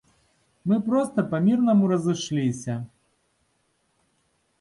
Мы проста па мірнаму разышліся.